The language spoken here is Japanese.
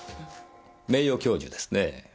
名誉教授ですねぇ。